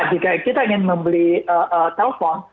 jika kita ingin membeli telpon